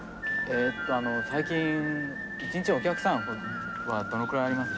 最近、１日のお客さんはどのぐらいあります？